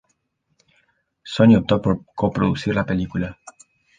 Sony optó por coproducir la película.